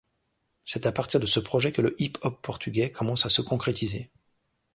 C'est à partir de ce projet que le hip-hop portugais commence à se concrétiser.